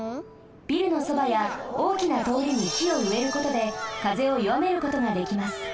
ビルのそばやおおきなとおりに木をうえることで風をよわめることができます。